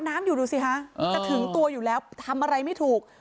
น้ำอยู่ดูสิคะจะถึงตัวอยู่แล้วทำอะไรไม่ถูก